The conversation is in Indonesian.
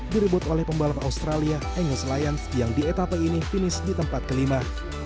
direbut oleh pembalap australia angus lyons yang di etapa ini finish di tempat kelima